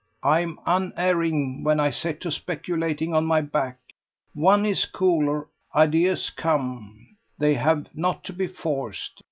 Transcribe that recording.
I am unerring when I set to speculating on my back. One is cooler: ideas come; they have not to be forced.